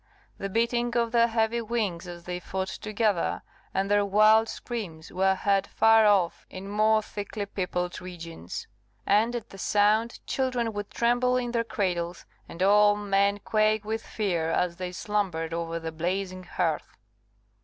The beating of their heavy wings as they fought together, and their wild screams, were heard far off in more thickly peopled regions; and at the sound children would tremble in their cradles, and old men quake with fear as they slumbered over the blazing hearth.